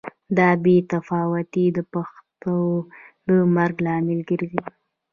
دا بې تفاوتي د پښتو د مرګ لامل ګرځي.